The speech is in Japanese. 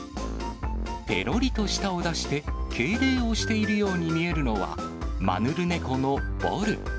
ぺろりと舌を出して、敬礼をしているように見えるのは、マヌルネコのボル。